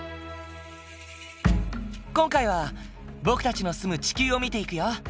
今回は僕たちの住む地球を見ていくよ。